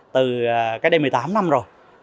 từ cái đây một mươi tám năm rồi